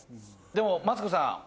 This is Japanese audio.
でもマツコさん